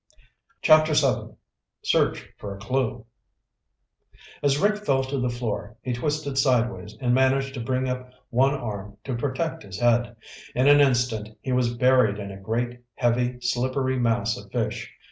CHAPTER VII Search for a Clue As Rick fell to the floor, he twisted sideways and managed to bring up one arm to protect his head. In an instant he was buried in a great, heavy, slippery mass of fish.